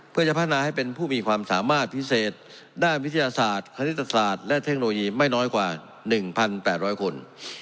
เพื่อจะพัฒนาให้เป็นผู้มีความสามารถพิเศษด้านวิทยาศาสตร์คณิตศาสตร์และเทคโนโลยีไม่น้อยกว่า๑๘๐๐คน